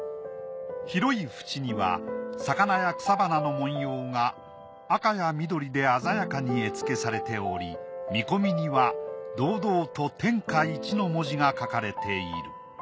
広い縁には魚や草花の文様が赤や緑で鮮やかに絵付けされており見込みには堂々と「天下一」の文字が書かれている。